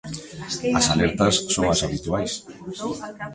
As alertas son as habituais.